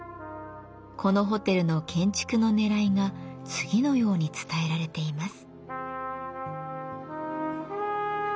このホテルの建築のねらいが次のように伝えられています。